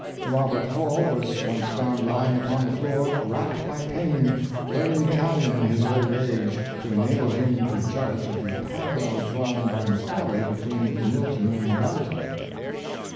Robert Hall was once found lying upon the floor, racked by pain, learn ing Italian in his old age, to enable him to judge of the parallel drawn by Macauley between Milton and Dante.